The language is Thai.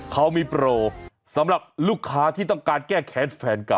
เขามีโปรสำหรับลูกค้าที่ต้องการแก้แค้นแฟนเก่า